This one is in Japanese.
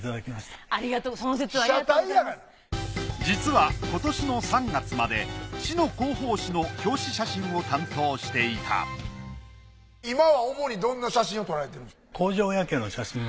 実は今年の３月まで市の広報紙の表紙写真を担当していた今は主にどんな写真を撮られてるんですか？